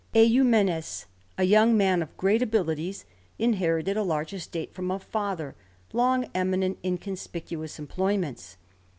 Eumenes, a young man of great abilities, inherited a large estate from a father, long eminent in conspicuous emplo3nnents.